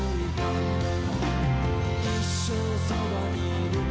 「一生そばにいるから」